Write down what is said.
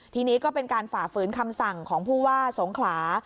ทีนี้ก็เป็นการฝ่าฝืนคำสั่งของผู้ว่าสงขลา